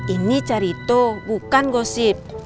ini cerita bukan gosip